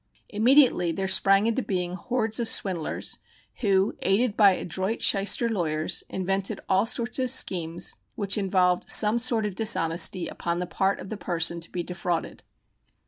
Immediately there sprang into being hordes of swindlers, who, aided by adroit shyster lawyers, invented all sorts of schemes which involved some sort of dishonesty upon the part of the person to be defrauded.